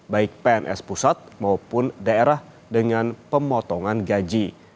baik pns pusat maupun daerah dengan pemotongan gaji